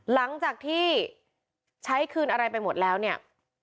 หลังจากที่ใช้คืนอะไรไปหมดแล้วเนี่ย